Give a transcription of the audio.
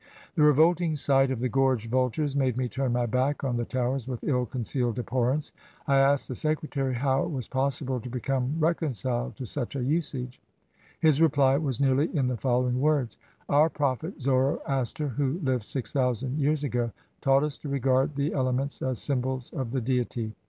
The revolting sight of the gorged vultures made me turn my back on the Towers with ill concealed abhor rence. I asked the Secretary how it was possible to 242 THE TOWERS OF SILENCE become reconciled to such a usage. His reply was nearly in the following words: "Our Prophet Zoroaster, who lived six thousand years ago, taught us to regard the ele ments as symbols of the Deity.